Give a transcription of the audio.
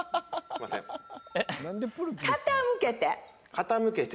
傾けて！